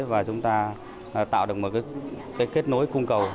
và chúng ta tạo được một kết nối cung cầu